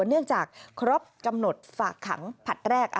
เนื่องจากครบกำหนดฝากขังผลัดแรก